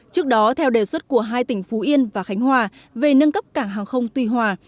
trước đó theo đề xuất của hai tỉnh phú yên và khánh hòa về nâng cấp cảng hàng không tuy hòa